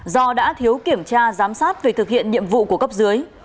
do đã thiếu kiểm tra giám sát về thực hiện nhiệm vụ của cấp dưới